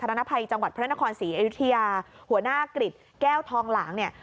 ธรรณภัยจังหวัดพระนครศรีไอ้ยุทิยาหัวหน้ากฤทธิ์แก้วทองหลังเนี่ย